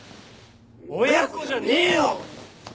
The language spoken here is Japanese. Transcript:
親子じゃねえよ！